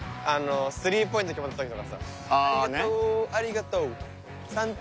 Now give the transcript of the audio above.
あのスリーポイント決まった時とかさ。